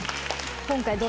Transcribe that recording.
今回。